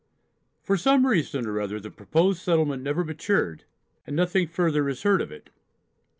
For some reason or other the proposed settlement never matured, and nothing further is heard of it.